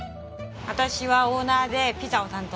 私はオーナーでピザを担当してます。